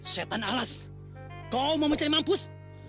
setan alas kau mau mencari mampus